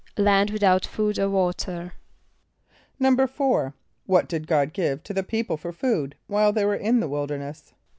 =A land without food or water.= =4.= What did God give to the people for food while they were in the wilderness?